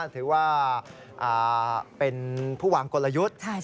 ถือว่าเป็นผู้วางกลยุทธ์